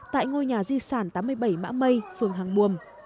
tại ngôi nhà di sản tám mươi bảy mã mây phường hàng buồm